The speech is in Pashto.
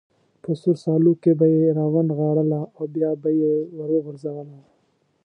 په سور سالو کې به یې را ونغاړله او بیا به یې وروغورځوله.